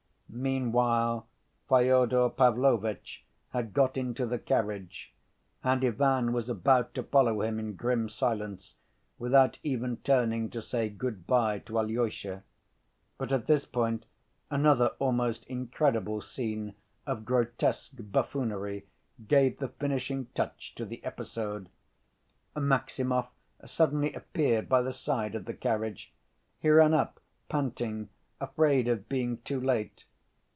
Meanwhile, Fyodor Pavlovitch had got into the carriage, and Ivan was about to follow him in grim silence without even turning to say good‐by to Alyosha. But at this point another almost incredible scene of grotesque buffoonery gave the finishing touch to the episode. Maximov suddenly appeared by the side of the carriage. He ran up, panting, afraid of being too late.